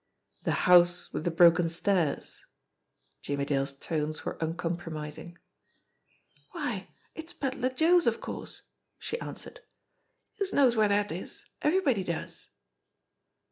"The house with the broken stairs." Jimmie Dale's tones were uncompromising. "Why, it's Pedler Joe's, of course !" she answered. "Yousa knows where dat is. Everybody does."